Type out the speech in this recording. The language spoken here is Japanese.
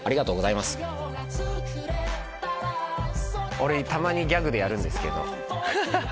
俺たまにギャグでやるんですけど。